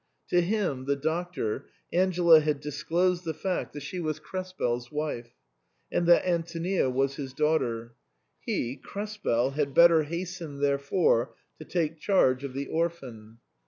To him, the Doctor, Angela had dis closed the fact that she was Krespel's wife, and that Antonia was his daughter ; he, Krespel, had better hasten therefore to take charge of the orphan.